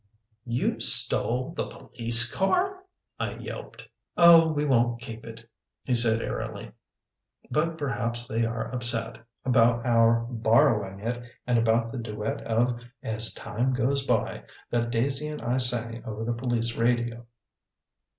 "You stole the police car?" I yelped. "Oh, we won't keep it," he said airily. "But perhaps they are upset about our borrowing it and about the duet of 'As Time Goes By' that Daisy and I sang over the police radio."